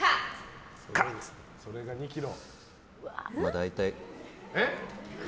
大体。